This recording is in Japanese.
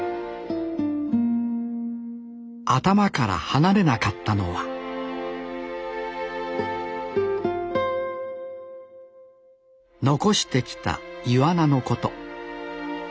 頭から離れなかったのは残してきたイワナのこと。